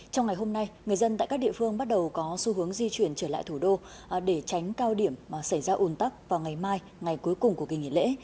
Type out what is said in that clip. trong ngày hôm nay người dân tại các địa phương bắt đầu có xu hướng di chuyển trở lại thủ đô để tránh cao điểm xảy ra ồn tắc vào ngày mai ngày cuối cùng của kỳ nghỉ lễ